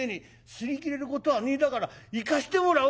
擦り切れることはねえだから行かしてもらうだ」。